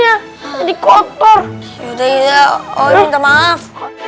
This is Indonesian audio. jadi kotor sudah oh renga maaf